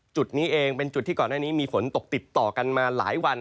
จุดนี้เองเป็นจุดที่ก่อนหน้านี้มีฝนตกติดต่อกันมาหลายวัน